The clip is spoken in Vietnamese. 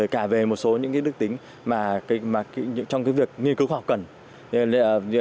cả về một số những đức tính trong việc nghiên cứu khoa học cần